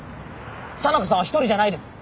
沙名子さんは一人じゃないです。